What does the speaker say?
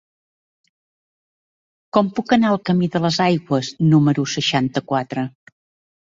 Com puc anar al camí de les Aigües número seixanta-quatre?